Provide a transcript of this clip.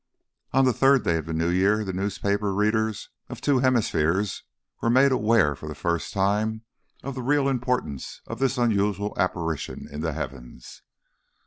On the third day of the new year the newspaper readers of two hemispheres were made aware for the first time of the real importance of this unusual apparition in the heavens.